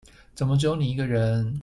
怎麼只有你一個人